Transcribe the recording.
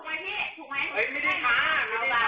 ไอ้สายเพล้งแห่งไอ้ซื้ออ้างให็น